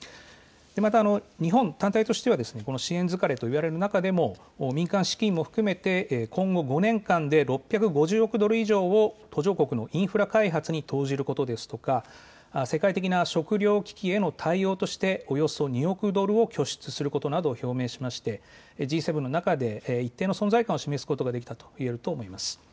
また日本単体としては支援疲れと言われる中でも民間資金も含めて今後５年間で６５０億ドルを途上国のインフラ開発に投じることですとか、世界的な食料危機への対応としておよそ２億ドルを拠出することなどを表明しまして、Ｇ７の中で一定の存在感を示すことができたと言えると思います。